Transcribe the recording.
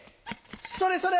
それそれ！